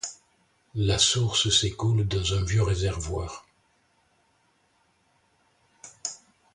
La source s'écoule dans un vieux réservoir.